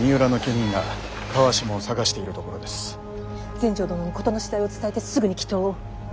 全成殿に事の次第を伝えてすぐに祈とうを。